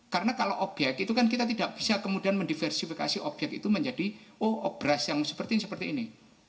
karena kalau obyek itu kan kita tidak bisa kemudian mendiversifikasi obyek itu menjadi oh beras yang seperti ini seperti ini